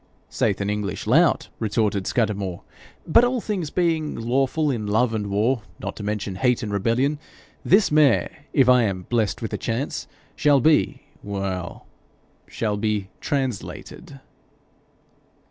'Saith an English lout,' retorted Scudamore. 'But, all things being lawful in love and war, not to mention hate and rebellion, this mare, if I am blessed with a chance, shall be well, shall be translated.'